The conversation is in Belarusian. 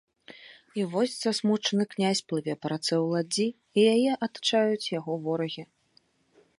І вось засмучаны князь плыве па рацэ ў ладдзі, і яе атачаюць яго ворагі.